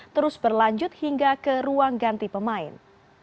terus berlanjut hingga ke ruang ganti pemain